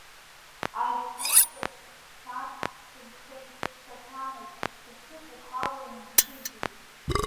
Ажә ҭаскырц сцан, сынхеит, саҭамыз, сасык ухала унсыжьит.